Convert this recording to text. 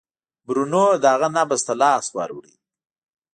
برونو د هغه نبض ته لاس ووړ.